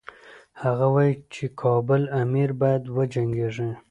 هغه وايي چې کابل امیر باید وجنګیږي.